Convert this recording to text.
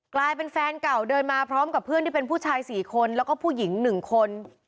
กลายเป็นแฟนเก่าเดินมาพร้อมกับเพื่อนที่เป็นผู้ชาย๔คนแล้วก็ผู้หญิง๑คน